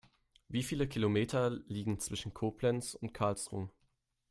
Wie viele Kilometer liegen zwischen Koblenz und Karlsruhe?